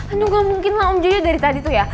aduh gue mungkin lah om joyo dari tadi tuh ya